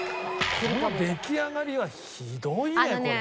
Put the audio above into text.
この出来上がりはひどいねこれ。